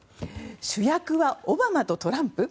主役はオバマとトランプ？